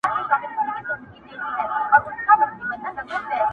د لوی ځنګله پر څنډه!.